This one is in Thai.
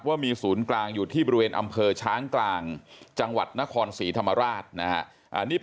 ว่ามีศูนย์กลางอยู่ที่บริเวณอำเภอช้างกลางจังหวัดนครศรีธรรมราชนะฮะ